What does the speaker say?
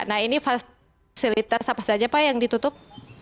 nah ini fasilitas apa saja pak yang ditutup